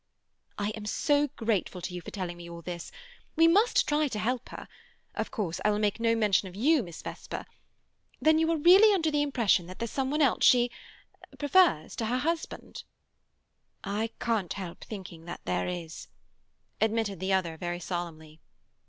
"I am so grateful to you for telling me all this. We must try to help her. Of course I will make no mention of you, Miss Vesper. Then you are really under the impression that there's some one she—prefers to her husband?" "I can't help thinking there is," admitted the other very solemnly.